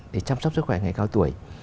để chăm sóc sức khỏe ngày cao tuổi